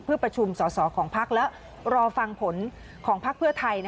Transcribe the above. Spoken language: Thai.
เพื่อประชุมสอสอของพักและรอฟังผลของพักเพื่อไทย